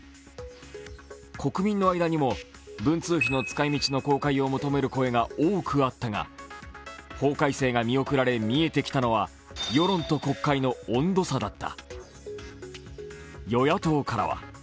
国民の間にも文通費の使いみちの公開を求める声が多くあったが法改正が見送られ、見えてきたのは世論と国会の温度差だった。